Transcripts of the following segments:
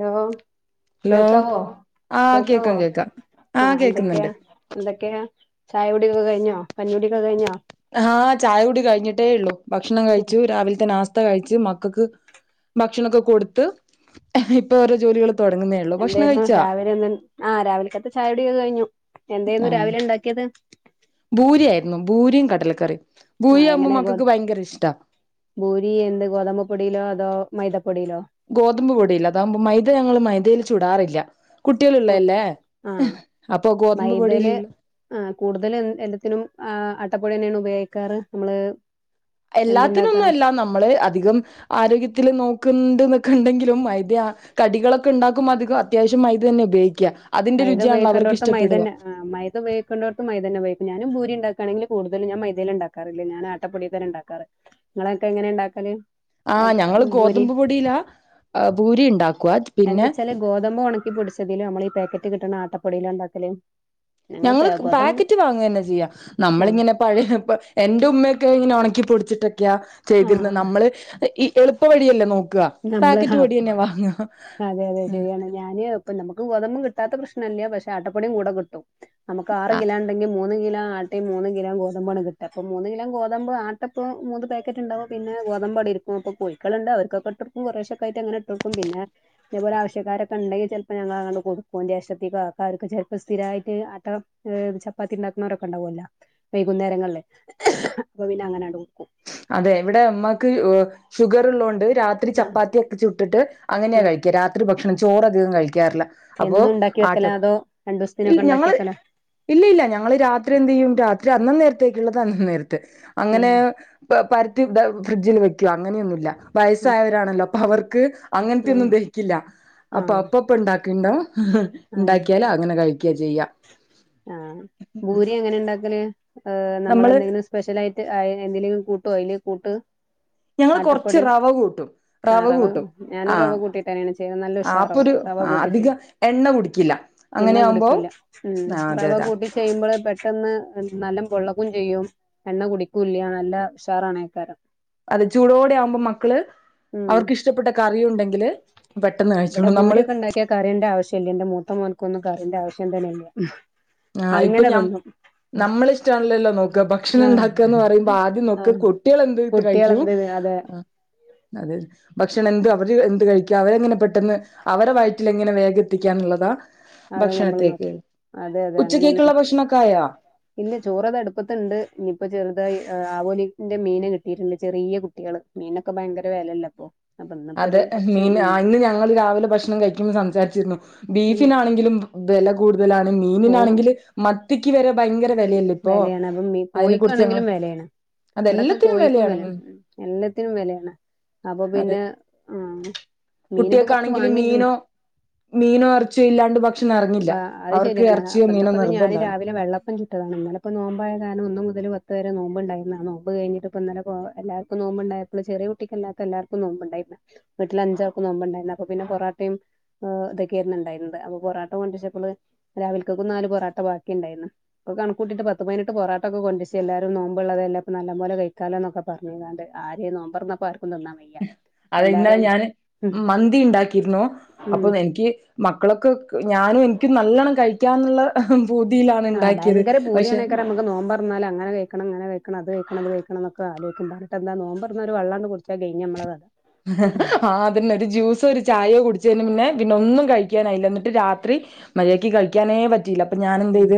Law hello കേൾക്കാവോ ആഹ് കേൾക്കാവോ കേക്കാം കേക്കാം ആഹ ആഹ് എന്തൊക്കെയാ കേക്കുന്നുണ്ട് എന്തൊക്കെയാ ചായകുടിയൊക്കെ കഴിഞ്ഞോ കഞ്ഞി കുടി ഒക്കെ കഴിഞ്ഞോ ആഹ് ചായ കുടി കഴിഞ്ഞിട്ടേ ഇള്ളൂ ഭക്ഷണം കഴിച്ചു രാവിലത്തെ നാസ് കഴിച്ചു മക്കൾക്ക് ഭക്ഷണം ഒക്കെ കൊടുത്ത് എ ഹ് ഇപ്പൊ ഓരോ ജോലികള് എന്തായിരുന്നു രാവിലെ ഇന്ന് ആ രാവിലത്തെ ഒക്കെ ചായ കുടിഒക്കെ കഴിഞ്ഞു എന്തായിരുന്നു രാവിലെ ണ്ടാക്കിയത് ബൂരിയായിരുന്നു ബൂരിയും കടലക്കറിയും ആഹ ഭൂരി ആകുമ്പോ എങ്ങനെയ ഗോത മക്കൾക്ക് ഭയങ്കര ഇഷ്ടാ പൂരി എന്ത് ഗോതമ്പപ്പൊടിയിലോ അതോ മൈദ പ്പൊടിയിലോ ഗോതമ്പ് പൊടിയില അതാകുമ്പോ മൈദ ഞങ്ങള് മൈദയില് ചുടാറില്ല കട്ടിയുള്ളതല്ലേ [unintelligible] മൈദൽ ആ കൂടുതൽ എല്ലത്തിനും ആ അട്ടപ്പൊടി തന്നെയാണ് ഉപയോഗി ക്കാറ് അമ്മള്. എല്ലാത്തിനൊന്നുല്ല നമ്മള് അധികം ആരോഗ്യത്തിൽ നോക്ക [unintelligible] ക്കെ ഉണ്ടെങ്കിലും മൈദ കടികളൊക്കെ ഉണ്ടാക്കുമ്പോ അധികം അത്യാവശ്യം. മൈദ തന്നെ ഉപയോഗിക്ക. മൈദ ഉപയോഗിക്കണ്ടോടത്ത് മൈ ഒന്നെ ഉപയോഗിക്കും. മൈദ ഉപയോഗിക്കുന്നിടത്ത് മൈദ ഉപയോഗിക്കും. ഞാനും പൂരി ഉണ്ടാക്ക ണെങ്കിൽ കൂടുതല് ഞാൻ മൈദൽ ഇണ്ടാക്കാറില്ല. ഞാ ആട്ടപ്പൊടിതന്നെ ഇണ്ടാക്കാറ്. നിങ്ങളൊക്കെ എങ്ങനെ ഇണ്ടാക്കാല്. ആഹ് ഞങ്ങള് ഗോതമ്പ് പൊടിയിലാ പൂരി ഉണ്ടാക്കുവ. എന്താ വെച്ചാല് ഗോതമ്പ ഉണക്കിപൊടിച്ചതിലും നമ്മള് ഈ പാക്കറ്റ് കിട്ടണ ആട്ടപ്പൊടിയില ഉണ്ടാക്കല് ഞങ്ങള് പാക്കറ്റ് വാങ്ങുന്നെ ചെയ്യാ. ആ നമ്മളിങ്ങനെ പഴയ എന്റെ ഉമ്മക്കെ ഇങ്ങനെ ഉണക്കിപ്പൊടിച്ചിട്ട്. ക്കയ ആ ചെയ്തിരുന്നത് നമ്മള് ഈ എളുപ്പ വഴിയല്ലേ നോക്ക [unintelligible] പാക്കറ്റ് നമ്മള് പൊടിന്നെ വാങ്ങ [inaudible] ഇപ്പ നമുക്ക് ഗോതമ്പ് കിട്ടാത്ത പ്രശ്നമല്ല പക്ഷെ ആട്ടപ്പൊടി കൂടെ കിട്ടും നമുക്ക് ആ ആറ് കിലാണ്ടെങ്കും മൂന്ന് കിലോ ആട്ടയും മൂന്ന് കിലാം ഗോതമ്പ ആണ് കിട്ടുക അപ്പം മൂന്ന് കിലാം ഗോതമ്പ് ആട്ട ഇപ്പ മൂന്ന് പാക്കറ്റ് ഉണ്ടാവും പിന്നെ ഗോതമ്പടി ഇരിക്കും അപ്പൊ കോഴിക്കളുണ്ട് അവർക്കൊക്കെ ഇട്ട് കുറശൊക്ക ആയിട്ടങ്ങനെ ഇട്ടോട്കും പിന്നെ ഇതേപോലെ ആവശ്യക്കാരൊക്കെ ഉണ്ടെങ്കിൽ ചിലപ്പോ ഞങ്ങ കൊടുക്കും ദേശത്തേക്ക അ അവർക്ക് ചെലപ്പോ സ്ഥിരമായിട്ട് അട്ട ചപ്പാത്തി ഉണ്ടാക്കുന്നവരൊക്കെ ഉണ്ടാാവല്ല വൈകുന്നേരങ്ങളില് അപ്പോപിന്നെ അങ്ങനെങ് [unintelligible] അതെ ഇവിടെ അമ്മക്ക് ഷുഗർ ഉള്ളണ്ട് രാത്രി ആ ചപ്പാത്തിയ ഒക്കെ ചുട്ടിട്ട് ആ അങ്ങനെയാ കഴിക്കുക രാത്രി ഭക്ഷണം ചോറധികം കഴിക്കു ിക്കാറില്ല അപ്പോ എന്നും ഉണ്ടാക്കി ആട്ട വെക്കല അതോ രണ്ടു ഇല്ല ദിവസത്തിനൊക്കെ ഉണ്ടാക്കി ഞങ്ങള് വെക്കല ഇല്ല ഇല്ല ഞങ്ങള് രാത്രി എന്ത് ചെയ്യും രാത്രി അന്നം നേരത്തേക്ക് ഉള്ളത് നേരത്തെ അങ്ങനെ പരത്തി ഫ്രിഡ്ജിൽ വെക്കു അങ്ങനെയൊന്നുല്ല. വയസായവരാണല്ലോ അപ്പൊ അവർക്ക് ആ അങ്ങനത്തെെയൊന്നും ദഹിക്കില്ല ആ ആ അപ്പൊ അപ്പപ്പ ഉണ്ടാക്കിണ്ടോ ഉണ്ടാക്കിയാല അങ്ങനെ കഴിക്കുക ചെയ്യും ആഹ ഭൂരി എങ്ങനെ ഉണ്ടാക്കല് ർ നമ്മള് നമ്മളെന്തെങ്കിലും സ്പെഷ്യൽ ആയിട്ട് എന്തെലെങ്കിലും കൂട്ടോ അയിൽ കൂട്ട്. ഞങ്ങള് കൊറച്ച് ആട്ടപ്പൊടിയ റവ കൂട്ടും ആ റവ കൂട്ടും ഞാനും ആഹ് റവ കൂട്ടിട്ട്ന്നെയാണ് ചെയ്തത് നല്ല ആ അപ്പൊ ഉഷാറവും ഒരു റവ ക അധികം എണ്ണ കുടിക്കില്ല അങ്ങനെയാകുമ്പോ. കുടിക്കൂല ഉം റവ കൂട്ടി ചെയ്യുമ്പോൾ പെ പെട്ടന്ന് നല്ല പൊള്ളകും ചെയ്യും എണ്ണ കുടിക്കുംല്ല നല്ല ഉഷാറാണ്ക്കാരം അതെ ചൂടോടെ ആവുമ്പോ മക്കള് ഉം അവർക്ക് ഇഷ്ടപ്പെട്ട കറി ഉണ്ടെങ്കില് പെട്ടെന്ന് ഇവിടെ കഴിച്ചോളും നമ്മള് ഭൂരിയക്കെ ഉണ്ടാക്കിയാ കറീന്റെ ആവശ്യം ഇല്ല ഇന്റെ മൂത്ത മോൻക്കൊന്നും കറിന്റെ ആവശ്യം തന്നെയില്ല. അങ്ങനെതിന്നും. നമ്മളിഷ്ട്ടല്ലല്ലോ നോക്ക ഭക്ഷണം ആഹ് ഇണ്ടാക്കാന്ന് പറയുമ്പോ ആദ്യം നോക്ക ആഹ് കുട്ടികളെന്ത്ട്ട് കഴിക്കും. കുട്ടികളെന്ത് അതെ അത് ഭക്ഷണം എന്ത് അവര് എന്ത് കഴിക്ക അവരെങ്ങനെ പെട്ടൊന്ന് അവരെ വയറ്റിൽ എങ്ങനെ വേഗം എത്തിക്കാന്ന്ള്ളതാ അതെ ഞമ്മള് നോക്ക അതെ അതെ അതെ അങ്ങനെയാണ് ഉച്ചക്കേക്കുള്ള ഭക്ഷണൊക്കെ ആയാ പിന്നെ ചോറത് അടുപ്പത്ത്‌ണ്ട് ഇനിയിപ്പോ ചെറുതായി ഹ് ആവോലിന്റെ മീന് കിട്ടിയിട്ട്ണ്ട് ചെറിയ കുട്ടികള് മീനൊക്കെ ഭയങ്കര വേലല്ലേ ഇപ്പൊ. അതെ മീൻ ഇന്ന് ഞങ്ങൾ രാവിലെ ഭക്ഷണം കഴിക്കുമ്പോൾ സംസാരിച്ചിരുന്നു ഉം ബീഫിനാണെങ്കിലും വെല കൂടുതലാണ് കോ മീനിനാണെങ്കിൽ മത്തിക്ക് വരെ ഭയങ്കര വിലയല്ലേ ഇപ്പൊ വെലയാണ് അപ്പം അതിനെ കുറിച്ച് ഞങ്ങൾ കോയിക്കാണെങ്കിലും വെലയാണ്. ഇവിടെക്കെ അതെല്ലാത്തിനും കോഴിക്കും വിലയാണ് വെലയാണ് ഉം എല്ലത്തിനും വെലയാണ് അപ്പൊ പിന്നെ ആ മീനിപ്പോ കൊറച്ച് കുട്ടിയ്ക്കാണെങ്കിൽ വാങ്ങിട്ടുണ്ട് മീനോ മീനോ ഇറച്ചിയോ ഇല്ലാണ്ട് ഭക്ഷണ അത് ശരിയാണ് അപ്പ ഇന്ന്പ്പം ഞാന് നിർബന്ധമാണ് രാവിലെ വെള്ളപ്പം ചുട്ടതാണ് ഇന്നലപ്പം നോമ്പായ കാരണം ഒന്നു മുതൽ പത്ത് വരെ നോമ്പുണ്ടായിന്നു. ആ നോമ്പ് കഴിഞ്ഞിട്ട് ഇപ്പം ഇന്നലെ എല്ലാർക്കും നോമ്പുണ്ടായപ്പള് ചെറിയ കുട്ടിക്കല്ലാത്ത എല്ലാർക്കും നോ ണ്ടായിന്ന് വീട്ടിൽ അഞ്ചാക്കും നോബ്ണ്ടായിര്ന്ന് അപ്പ പിന്നെ പൊറാട്ടയും ഹ് ഇതൊക്കെയായിരുന്നുണ്ടായിരുന്നത് അപ്പൊ പൊറാ കൊണ്ടരിച്ചപ്പള് രാവിലക്കക്കും നാല് പൊറാട്ട ബാക്കിണ്ടായിര്ന്ന് അപ്പൊ കണക്കൂട്ടിട്ട് പത്ത് പതിനട്ട് പൊറാട്ടക്കെ കൊണ്ടരിച്ചി എല്ലാവരും നോമ്പ്ള്ളതല്ലേ അപ്പൊ നല്ല പോലെ കഴിക്കാലോ ന്നൊക്കെ പറഞ്കാണ്ട് ആരേ നോമ്പറന്നപ്പോ ആർക്കും തിന്നാൻ വയ്യ. അത് ഇന്നലെ എല്ലാരും ഞാൻ ഉം മന്തി ഇണ്ടാക്കിരുന്നു ഉം അപ്പൊ എനിക്ക് മക്കളൊക്കെ ഞാനും എനിക്കും നല്ലോണം കഴിക്കാന്നുള്ള പൂതിയിലാണ് ആ ഉണ്ടാക്കിയത് ഭയങ്കര പക്ഷെ പുതിയാണയ്ക്കാരം നമക്ക് നോമ്പറന്നാല് അങ്ങനെ കഴിക്കണം ഇങ്ങനെ കഴിക്കണം അത് കഴിക്കണം ഇത് കഴിക്കണ ണ്ന്നക്കെ ആലോചിക്കും പറഞ്ഞിട്ടന്താ നോമ്പറന്നാ ഒരു വള്ളാണ്ട് കുടിച്ചാ കഴിഞ് നമ്മളെ കഥ. ആദ്യം തന്നെ ഒരു ജ്യൂസോ ഒരു ചായയോ കുടിച്ചതിന് പിന്നെ പിന്നെ ഒന്നും കഴിക്കാനായില്ല ന്നട്ട് രാത്രി മര്യാദിക്ക് കഴിക്കാനേ പറ്റിയില്ല അപ്പൊ ഞാൻ എന്ത് ഉം ചെയ്ത്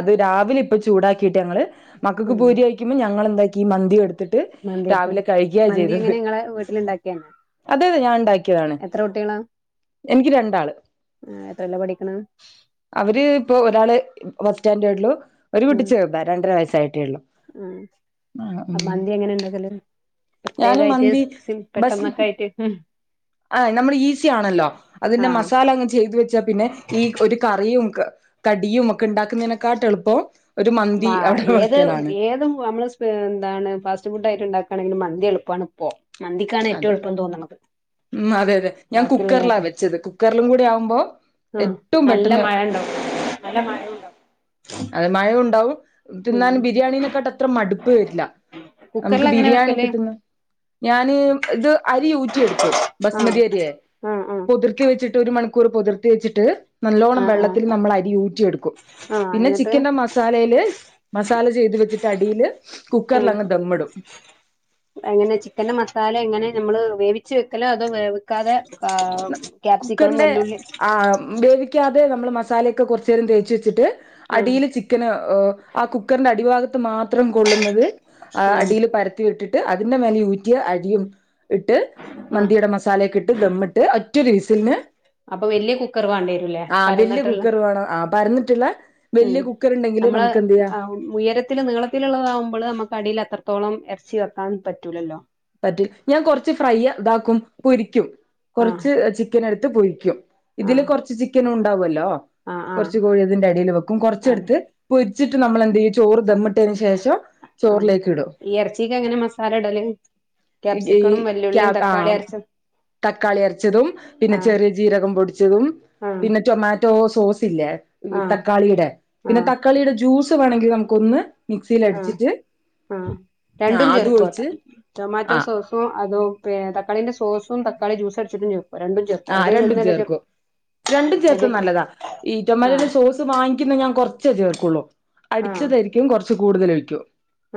അത് രാവിലെ ഇപ്പ ചൂടാക്കിയിട്ട് ഞങ്ങള് മക്കൾക്ക് ഉം പൂരി കയിക്കുമ്പോം ഞങ്ങളെന്താക്കി മന്തി എടുത്തിട്ട് മന്തിയെടുത്ത് രാവിലെ കഴിക്കാ മന്തി ചെയ്തത്. എങ്ങനെ ഇങ്ങളെ വീട്ടിലുണ്ടാക്കിയാണോ അതെ അതെ ഞാന് ഇണ്ടാക്കിയതാണ്. എത്ര കുട്ടികളാ എനിക്ക് രണ്ടാള് എത്രയിലാ പഠിക്കണ് അവര് ഇപ്പൊ ഒരാള് ഫസ്റ്റ് സ്റ്റാൻഡേർഡിലും ഒരു കുട്ടി ചെറുതാ രണ്ടര വയസ്. ആ അപ്പൊ മന്തി എങ്ങനെ ഇണ്ടാക്കല്. ഞാനും പ്രത്യേകായിട്ട് മന്തി സി സിം ബസ് പെട്ടെന്നൊക്കെ ആയിട്ട്. ആ നമ്മൾ ഈസി ആണല്ലോ അതിന്റെ ആഹ് മസാല അങ്ങ് ചെയ്തു വെച്ചാ പിന്നെ ഈ ഒരു കറിയും കടിയും ക്കെ ണ്ടാക്കുന്നതിനെക്കാട്ടി എളുപ്പം ഒരു മന്തി മാ അവിടെ ഏത് വെക്കലാണ്. ഏത് നമ്മള് സ് എന്താണ് ഫാസ്റ്റ് ഫുണ്ടായിട്ട് ഉണ്ടാക്കുകണെങ്കിൽ മന്തി എളുപ്പാണ് ഇപ്പൊ. മന്തിക്കാണ് ഏറ്റവും അതെ എളപ്പം തോന്ന്ണത് ഉം അതെ അതെ ഞാൻ ബാക്കിയുള്ള കുക്കറിലാ ഇനൊക്കെ വെച്ചത് കുക്കറിലും കൂടി ആവുമ്പോ ഏറ്റവും പെട്ടെന്ന്, മഴ ഉണ്ടാവും നല്ല മഴയുണ്ടാവും അത് മഴണ്ടാവും തിന്നാൻ ഉം ബിരിയാണീനെക്കാട്ട് അത്ര മടുപ്പ് വരില്ല. നമുക്ക് കുക്കറിൽ എങ്ങനെ ബിരിയാണി വെക്കല് കിട്ടുന്നു ഞാൻ [unintelligible] ഇത് ഊറ്റിയെടുക്കും ആഹ് ബസുമതി അരിയെ ആഹ് ആഹ് പൊതിർത്തി വച്ചിട്ട് ഒരുമണി ക്കൂർ പൊതിർത്തി വെച്ചിട്ട് നല്ലോണ്ണം ആഹ് ആഹ് വെള്ളത്തിൽ നമ്മൾ അരി ഊറ്റിയെടുക്കും. ആഹ് പിന്നെ എന്നിട്ട് ചിക്കന്റെ മസാലയില് മസാല ചെയ്ത് വെച്ചിട്ട് അടിയില് കുക്കറിൽ അങ്ങ് ദമ്മിടും ആ എങ്ങനെ ചിക്കന്റെ മസാല എങ്ങനെ നമ്മള് വേവിച്ച് വെക്കലോ അതോ വേവിക്കാതെ ആഹ് ക്യാപ്സിക്കണും കുക്കറിന്റെ വെല്ലുള്ളി ആ വേവിക്കാതെ നമ്മള് മ ലക്കേ കൊറച്ചെരം തേച്ച് വെച്ചിട്ട് ആഹ് അടീൽ ചിക്കന് ഹ് ആ കുക്കറിന്റെ അടിഭാഗത്ത് മാത്രം കൊള്ളുന്നത് ആഹ് അടിൽ പരത്തി ഇട്ട് അതിന്റെ മേലേ ഈ ഊറ്റിയ അരിയും ഇട്ട് ആഹ് മന്തിയുടെ മസാലക്കെ ഇട്ട് ഗമ്മ് ഇ ഒരൊറ്റ ഒരു വിസിലിന് അപ്പൊ വല്യ കുക്കർ വേണ്ടി വരൂല്ലേ ആ വലിയ പരന്നിട്ടുള്ള കുക്കർ വേണം ആ പരന്ന ട്ടുള്ള ഉം വലിയ കുക്കറിൽ നമ്മള് ഉയരത്തി നീളത്തിലുള്ളതാകുമ്പള് നമക്ക് അടിയിൽ അത്ര ത്തോളം എറച്ചി വെക്കാൻ പറ്റൂലല്ലോ പറ്റി ഞാൻ കൊറച്ച് ഫ്രൈ താക്കും പൊരിക്കും ആഹ് കൊറച്ച് ചിക്കൻ എടുത്ത് പൊരിക്കും ഇതില് ആഹ് കൊറച്ച് ചിക്കനുണ്ടാവല്ലോ ആഹ് കൊ ആഹ് റച്ച് കോഴി അതിന്റെ എടേൽ വെക്കും അതെ കൊറച്ചെടുത്ത് പൊരിക്ക ച്ചിട്ട് നമ്മളെന്തേയ്യും ചോറ് ദമ്മിട്ടതിന് ശേഷം ആഹ് ചോറിലേക്കിടും ഈ എറച്ചിക്ക് എങ്ങനെ മസാല ഇടല് ഇ ഈ ക്യാപ്സിക്കണും ക്യാ വെല്ലുള്ളിയും താ ആ തക്കാളി അരച്ച തക്കാളി അരച്ചതും പിന്നെ ആഹ് ചെറിയ ജീരകം പൊടിച്ചതും ആഹ് പിന്നെ ടൊമാറ്റോ സോസ്സില്ലേയ് ആഹ് തക്കാളിയുടെ പിന്നെ ആഹ് തക്കാളിയുടെ ജ്യൂസ് വേണങ്കിൽ നമുക്കൊന്ന് മിക്സിൽ ആഹ് അടിച്ചിട്ട് ആഹ് ആ രണ്ടും അതു ചേർക്കോ ഒഴിച്ച് ടൊമാറ്റോ ആ സോസും അതും പി തക്കാളിന്റെ സോസും തക്കാളി ജ്യൂസടിച്ചിട്ടും ചേർ ആ രണ്ടും ചേർക്കും രണ്ടും ചേർത്ത് ഏത് നല്ലതാ ഈ ടൊമാറ്റൊന്റെ ആഹ് സോസ് വാങ്ങിക്കുന്ന ഞാൻ കൊറ റച്ചേ ചേർക്കുള്ളൂ. ആഹ് അടിച്ചതായിരിക്കും കൊറച്ച് കൂടുതൽ ഒഴിക്കൂ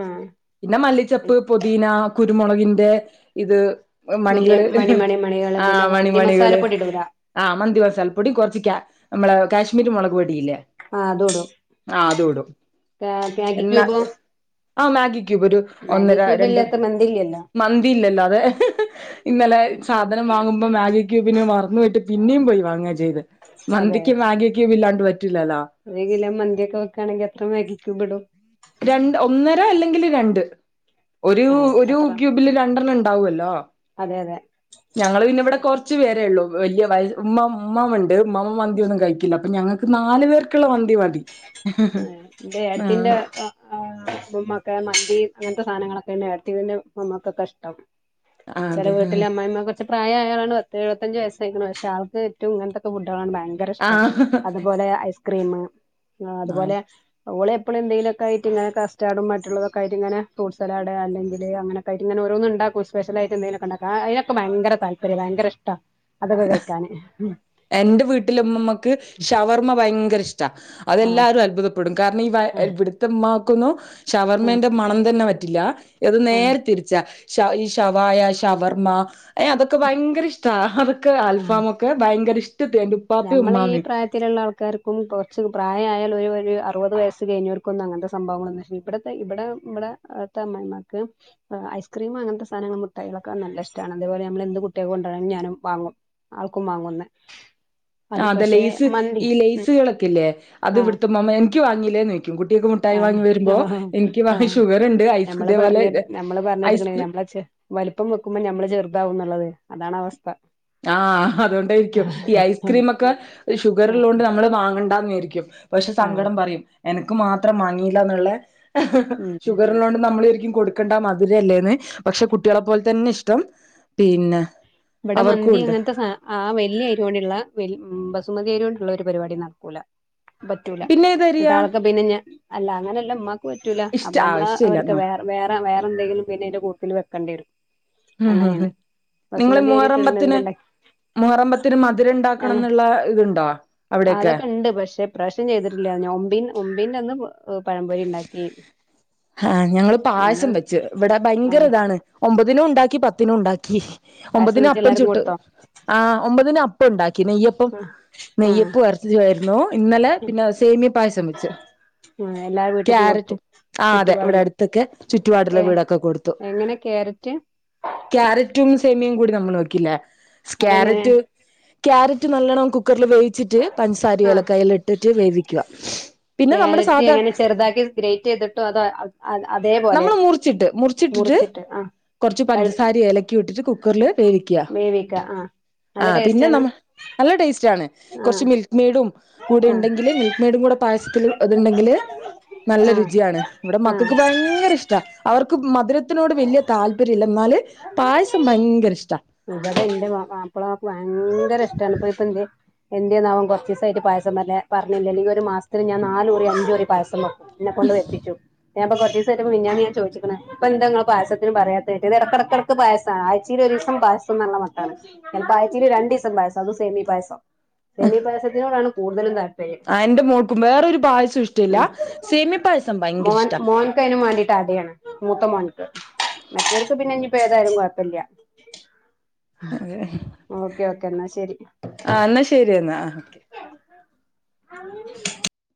ആഹ് പിന്നെ മല്ലിച്ചപ്പ്, പൊതീന, കുരുമൊ ളകിന്റെ ഇത് വല്യ മണികള് മണി മണി മണികള് ആ പിന്നെ മണി മന്തി കള് മസാലപ്പൊടി ഇടൂല ആ മന്തിമസാലപ്പൊടി കൊറച്ച് കാ നമ്മളെ കാശ്മീരി മൊളക് പൊടിയില്ലേ ആഹ് അതും ഇടും ആ അതുടും മാഗി എന്നാ ക്യൂബോ ആ മാഗി ക്യുബൊരു മാഗി ഒന്നര ക്യൂബ് രണ്ട് ഇല്ലാത്ത മന്തി ഇല്ലല്ലോ മന്തി ഇല്ലല്ലോ അതെ ഇന്നലെ സാധനം വാങ്ങുമ്പോ മാഗിക്യുബിനെ മറന്നോയിട്ട് പിന്നേം പോയി വാങ്ങാ ചെയ്തെ മന്തിക്ക് മാഗി ക്യുബ് ഇല്ലാണ്ട്പറ്റൊ ഒര്കിലോ മന്തിയൊക്കെ വെക്കാ ണെങ്കി എത്ര മാഗി ക്യുബിടും രണ്ട് ഒന്നര അല്ലെങ്കിൽ രണ്ട് ഒരു ഏഹ് ഒരു അത്ര ക്യൂബില് രണ്ടെണ്ണം ണ്ട് ണ്ടാവോല്ലോ അതെ അതെ ഞങ്ങൾ പിന്നെ ഇവിടെ കൊറച്ചു പേരേ ള്ളൂ വലിയ വയ ഉമമ്മ ഉമ്മ ഉണ്ട് ഉമ്മാ മന്തിയൊന്നും കഴിക്കില്ല അപ്പൊ ഞങ്ങൾ നാല് പേർക്ക്ള്ള മന്തി മതി ഉം ന്റെ ആഹ് ഏടത്തിന്റെ വാ ആ [unintelligible] മന്തി അങ്ങൻത്തെ സാനങ്ങളൊക്കെന്നേ ടത്തിന്റെ മ്മക്കൊക്കെഷ്ട്ടം ചെല അതെ വീട്ടിലെ അമ്മായിമ്മ ച് പ്രായാളണ് പത്ത് എഴു പത്തഞ്ച് വസ്സായിക്ണ് പക്ഷെ ആൾക്ക് ഏറ്റോം ഇങ്ങൻത്തൊക്കെ ഫുഡാ ആ ഭയങ്കരിഷ്‌ടാ ആഹ് അതുപോലെ ഐസ്ക്രീ ആഹ് അതുപോലെ ഓളെപ്പളും എന്തെങ്കിലൊക്കെയിട്ട് ഇങ്ങനെ കസ്റ്റാർഡും മറ്റുള്ളതൊക്കായിട്ട് ഇങ്ങനെ ഫ്രൂട്ട്സ ലാഡ് അല്ലെങ്കില് അങ്ങനൊക്കായിട്ട്ങ്ങനെ ഓരോന്ണ്ടാക്കും സ്പെഷ്യലായിട്ടെന്തെങ്കിലും ണ്ടാക്കും അയിനൊക്കെ ഭയങ്ക താല്പര്യാ ഭയങ്കര ഇഷ്ടാ അതൊക്കെ കഴിക്കാന് എന്റെ വീട്ടിലെ മമ്മാക്ക് ഷവർമ്മ ഭയങ്കര ഇഷ്ട ആഹ് അതെല്ലാരും അത്ഭുതപ്പെടും കാരണം ഈ വ ആഹ് ഇവിടുത്തെമ്മാ ക്കൊന്നും ആഹ് ഷവർമന്റെ മണം തന്നെ പറ്റില്ല ഇത് ആഹ് നേരെ തിരിച്ചാ ഷ ഈ ഷവായ, ഷവർമ്മ ഏ അതൊക്കെ ഭയങ്കര ഇഷ്ടാ അതൊക്കെ അൽഫാമൊക്കെ ഭയങ്കര ഇഷ്ടത്തി എന്റെ ഉപ്പാപ്പയും നമ്മളെയീ ഉമ്മാമയും പ്രായത്തിലുള്ള ആൾക്കാർക്കും കൊറച്ച് പ്രായായാലൊരു ഈ അറുപത് വയസ്സ് കയിഞ്ഞോർക്കൊന്നും അങ്ങൻത്തെ സംഭവങ്ങളൊന്നും പക്ഷെ ഇവിടത്തെ ഇവിടെ ഇവിടെ അവിട്ത്തെ അമ്മായിമ്മാക്ക് ഐസ്ക്രീം അങ്ങനത്തെ സാധനങ്ങൾ മുട്ടായികളൊക്കെ നല്ല ഇഷ്ടാണ് അതേ പോലെ നമ്മൾ എന്ത് കുട്ട്യാക്ക് കൊണ്ടരാണെങ്കി ഞാനും വാങ്ങും ആൾക്കും വാങ്ങും ന്ന് ആ അതെലെയസ് ഈ ലേസുകളൊക്കല്ലേ ആഹ് അതിവിടത്തെ ഉ മമ്മ എനിക്ക് വാങ്ങീല്ലേന്ന് ചോയ്ക്കും ക്കും കുട്ട്യാൾക്കും മുഠായി ആഹ് വാങ്ങി വരുമ്പോ ആഹ് എനിക്ക് വാ ആഹ് ഷുഗറുണ്ട് ഐസ് നമ്മള് ഇതേപോലെ പറഞ്ഞിട്ട് നമ്മള് പറഞ്ഞിട്ട്ക്ക്ണ് ഐസ്ക്രീ നമ്മളെ ചെ വലിപ്പം വെക്കുമ്പോ നമ്മള് ചെറുതാവുന്ന്നൊള്ളത് അതാണ് അവസ്ഥ ആഹ് അതോണ്ടായിരിക്കും ഈ ഐസ്ക്രീമൊക്കെ ഷുഗർ ആഹ് ഉള്ളോണ്ട് നമ്മള് വാങ്ങണ്ടന്നരി ക്യും പക്ഷെ ആഹ് സങ്കടം പറിം എനക്ക് മാത്രം മാങ്ങീല്ലന്നോള്ള ഉം ഷുഗർ ഉള്ളോണ്ട് നമ്മൾ വിചാ ലിം കൊടുക്കണ്ട മധരല്ലേന്ന് പക്ഷെ കുട്ട്യാള പോലെ തന്നെ ഇഷ്ടം പിന്നെ ഇവിടെ അവർക്കും മന്തി ഉണ്ട് അങ്ങനത്തെ സാ ആ വല്യ അരിയോണ്ടുള്ളവെ മ് ബസു സുമതിയരിയൊണ്ട്ള്ള ഒരു പരിപാടി നടക്കൂല, പറ്റൂല പിന്നെ ൻട്ട് ഏതരിയാ ആൾക്കെ പിന്ന ഞ് അല്ല അങ്ങനെയല്ല ഉമ്മാക്ക് പറ്റൂല ഇഷ്ട അപ്പൊ ആ നമ്മൾ ഇഷ്ടല്ല അവർക്ക് ന്നോ വേറെ വേറെ വേ ന്തെങ്കിലും പിന്നെഅയിന്റെ കൂട്ടത്തില് വെക്കേണ്ട്യരും ഉം ഹ് ഹ് നിങ്ങള് അരി ഇട്ടിട്ടുള്ള മുഹറമ്പത്തിന് എന്തുണ്ട മുഹറമ്പത്തിന് മധുര ണ്ടാക്കണം ആഹ് ന്നുള്ള ഇതുണ്ടോ അവിടെയൊക്കെ അതൊക്കെ ഇണ്ട് പക്ഷെ പ്രാവശ്യം ചെയ്തിട്ടില്ല നോമ്പിൻ ഒമ്പിന്റെറെ അന്ന് പൊ ഹ ഞങ്ങള് അന്ന് പായസം വെച്ച് ഇവിടെ ഭയങ്കര ആഹ് ഇതാണ് ഒമ്പതിനു ഉണ്ടാക്കി പത്തിനും ഉണ്ടാക്കി പായസം ഒമ്പതിനു വെച്ച് അപ്പം എല്ലാർക്കും ചുട്ട് കൊടുത്തോ ആ ഒമ്പതിന് അപ്പം ഉണ്ടാ കി നെയ്യപ്പം ആഹ് ആഹ് നെയ്യപ്പു എരചിച്ചിയുമായിരുന്നു ഇന്നലെ പിന്നെ സേമിയ പായസം വെച്ചു ആഹ് എല്ലാ വീട്ട്ക്കും കൊടുത്തു ക്യാരറ്റ് ആ അതെ ഇവിടെ ചുറ്റുപാടുള്ള അടുത്തൊക്കെ ചുറ്റുപാടുള്ള കേ വീടൊക്കെ കൊടുത്തു എങ്ങനെ ക്യാരറ്റ് ക്യാരറ്റും സേമിയം കൂടി നമ്മൾ വെക്കില്ലേ അതെങ്ങനെ ക്യാരറ്റ് ക്യാരറ്റ് നല്ലോണ്ണം കുക്കറിൽ വേവിച്ചിട്ട് പൻസാരി ആഹ് ഇലക്കായൽ ലിട്ട് റ്റു വേവിക്കുക പിന്നെ നമ്മുടെ ക്യാരറ്റ് സാധാ എങ്ങനെ ചെറുതാക്കി ഗ്രേറ്റ് ചെയ്തിട്ടോ അതോ അ അ അതേപോലെ നമ്മള് മുറിച്ചിട്ട് മുറിച്ചിട്ടിട്ട് മുറിച്ചിട്ട് ആ വെ വേവിക്ക വേവിക്ക ആഹ് ആ നല്ല ടേസ്റ്റ് പിന്നെ ആണ് നമ്മ നല്ല ടേസ്റ്റ് ആണ് ആഹ് കുറച്ച് മിൽക്ക്മേടും ആഹ് കൂടെയുണ്ടെങ്കില് മിൽക്ക്മേടും കൂടെ പായസ അതുണ്ടെങ്കിൽ നല്ല ആഹ് രുചിയാണ് ഇവിടെ ആഹ് മക്കൾക്ക് ഭയങ്കര ഇഷ്ട അവർക്ക് മധുര ത്തിനോട് വലിയ താല്പര്യം ഇല്ല എന്നാല് പായസം ഭയങ്കര ഇഷ്ടം ഇവിടെ ഇന്റെ മ മാപ്പളക്ക് ഭയങ്കര ഇഷ്ട്ടാണ് ഇപ്പ ഇപ്പ എന്തെ എന്റെന്നാവം കുറചിസായിട്ട് പായസം നല്ല പറഞ്ഞില്ലല്ലങ്കിൽ ഒരു മാസത്തിന് ഞാൻ നാലുറി അഞ്ചുറി പായസം വെ എന്നെ കൊണ്ട് വെപ്പിച്ചു ഞാൻ ഇപ്പൊ കുറച്ചിസായിട് മിനിഞ്ഞാന്ന് ഞാൻ ചോയിച്ചിക്ക്ണ് ഇപ്പ എന്താ ഇങ്ങള്പായസത്തിന്നു പറയാത്തെ മറ്റേ എടകടക്ക് എടക്ക് പായസ അയച്ചായിലോ ഒരു അ പായസം പറഞ്ഞ മട്ടാണ് ആഴ്ച്ചേല് രണ്ട് ദിസം പായസം അതും സെമിയ പായസം സേമിയപായസത്തിനോടാണ് കൂടുതലും ത എന്റെ മോൾക്കും വേറൊരു പായസം ഇഷ്ടമില്ല ഉം സേമിയ പായസം ഭയങ്കര മോൻ ഇഷ്ടാ മോനിക്കയിനുമാണ്ടി ട്ട ടയാണ് മൂത്ത മോൻക്ക് മറ്റവർക്ക് പിന്നെ ഇഞ്ഞിപ്പം ഏതായാലും കുഴപ്പമില്ല അതെ ഓക്കെ ഓക്കെ എന്നാ ശരി ആ എന്നാ ശരി എന്നാ ആ ഒക്കെ [unintelligible]